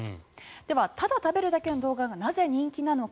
では、ただ食べるだけの動画がなぜ人気なのか。